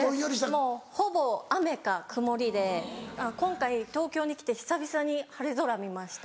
もうほぼ雨か曇りで今回東京に来て久々に晴れ空見ました。